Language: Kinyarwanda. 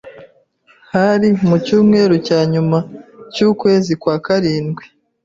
Hari mu cyumweru cya nyuma cy’ukwezi kwa karindwi